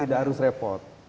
tidak harus repot